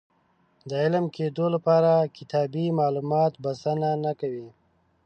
د عالم کېدو لپاره کتابي معلومات بسنه نه کوي.